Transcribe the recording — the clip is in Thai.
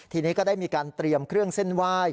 ทีนี้ก็ได้มีการเตรียมเครื่องเส้นไหว้